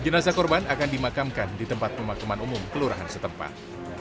jenazah korban akan dimakamkan di tempat pemakaman umum kelurahan setempat